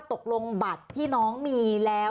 ตกลงบัตรที่น้องมีแล้ว